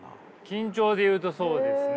緊張でいうとそうですね。